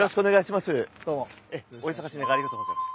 お忙しい中ありがとうございます。